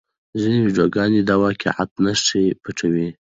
ځینې ویډیوګانې د واقعیت نښې پټوي.